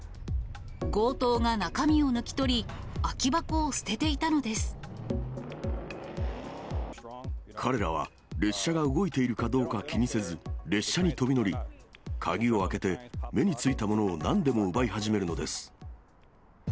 強盗が中身を抜き取り、彼らは列車が動いているかどうか気にせず、列車に飛び乗り、鍵を開けて、目についたものをなんでも奪い始めるのです。